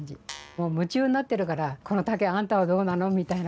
もう夢中になってるから「この竹あんたはどうなの？」みたいな感じ。